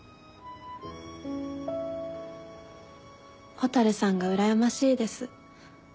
蛍さんがうらやましいです。